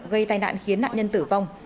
gây tai nạn khiến nạn nhân tử vong